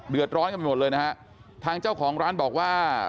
เดือดร้อนกันไปหมดเลยนะฮะทางเจ้าของร้านบอกว่า